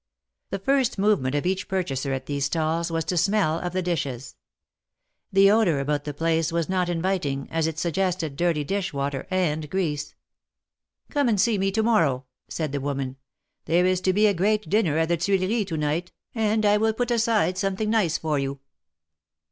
The first movement of each purchaser at these stalls was to smell of the dishes. The odor about the place was not inviting, as it suggested dirty dish water and grease. THE MARKETS OF PARIS. 247 '^Corae and see me to morrow," said the woman. There is to be a great dinner at the Tuileries to night, and I will put aside something nice for you."